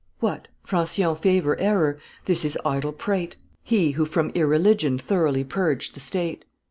What! Francion favor error! This is idle prate: He who from irreligion thoroughly purged the state!